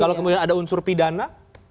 kalau kemudian ada unsur pidana